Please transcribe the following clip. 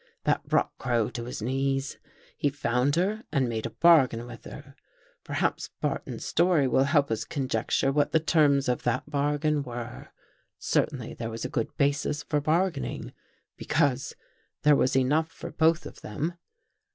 That brought Crow to his knees. He found her and made a bargain with her. Perhaps Barton's story will help us conjecture what | the terms of that bargain were. Certainly there ! was a good basis for bargaining, because there was | enough for both of them.